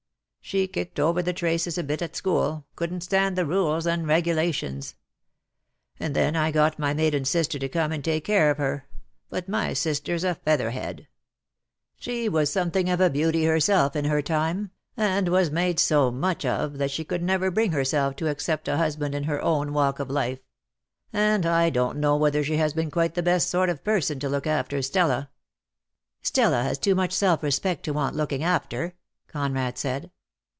She kicked over the traces a bit at school — couldn't stand the rules and regulations. And then I got my maiden sister to come and take care of her; but my sister's a feather head. She was something of a beauty herself in her time, and was made so much of that she could never bring herself to accept a husband in her own 72 DEAD LOVE HAS CHAINS. walk of life : and I don't know whether she has been quite the best sort of person to look aftec Stella." "Stella has too much self respect to want looking after," Conrad said.